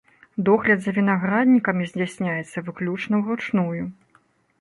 Догляд за вінаграднікамі здзяйсняецца выключна ўручную.